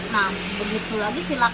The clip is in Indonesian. nah begitu lagi silahkan